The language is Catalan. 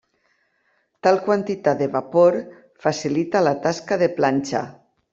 Tal quantitat de vapor facilita la tasca de planxa.